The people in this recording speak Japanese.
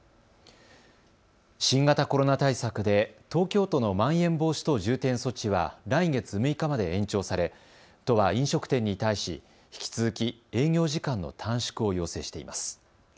新型コロナ対策で東京都のまん延防止等重点措置は来月６日まで延長され都は飲食店に対し引き続き営業時間の短縮を要請しています。